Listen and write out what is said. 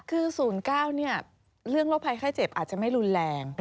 คือ๐๙เรื่องโรคภัยไข้เจ็บอาจจะไม่รุนแรง